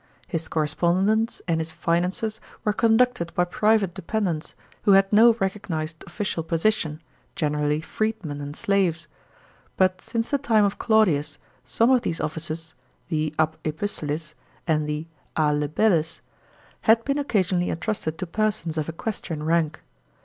His correspondence and his finances were conducted by private dependents, who had no recognised official position — generally freedmen and slaves. But since the time of Claudius, some of these offices — the db epistulis, and the a libellis — had been occasionally entrusted to persons of equestrian rank.